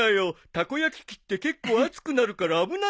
たこ焼き器って結構熱くなるから危ないし。